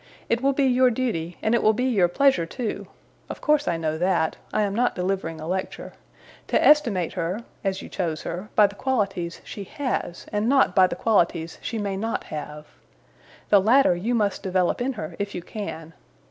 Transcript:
It will be your duty, and it will be your pleasure too of course I know that; I am not delivering a lecture to estimate her (as you chose her) by the qualities she has, and not by the qualities she may not have. The latter you must develop in her, if you can.